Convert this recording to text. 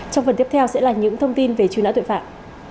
trong phần tiếp theo sẽ là những thông tin về truy nã tội phạm